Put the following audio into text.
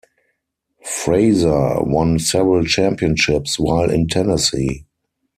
Fraizer won several championships while in Tennessee.